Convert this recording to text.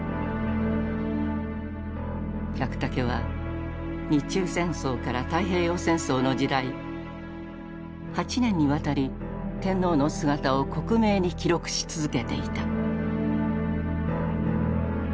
百武は日中戦争から太平洋戦争の時代８年にわたり天皇の姿を克明に記録し続けていた。